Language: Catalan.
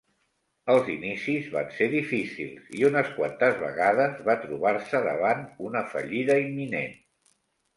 Els inicis van ser difícils i unes quantes vegades va trobar-se davant una fallida imminent.